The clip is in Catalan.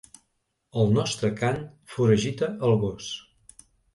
El nostre cant foragita el gos.